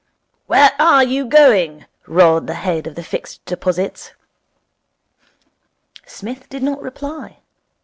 'Where are you going,' roared the head of the Fixed Deposits. Psmith did not reply.